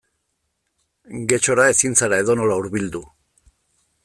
Getxora ezin zara edonola hurbildu.